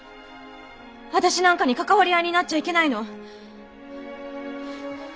私なんかに関わり合いになっちゃいけないの。